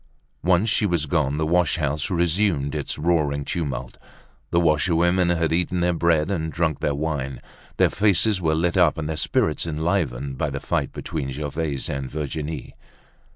Once she was gone, the wash house resumed its roaring tumult. The washerwomen had eaten their bread and drunk their wine. Their faces were lit up and their spirits enlivened by the fight between Gervaise and Virginie.